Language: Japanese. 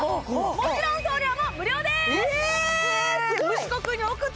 もちろん送料も無料ですえ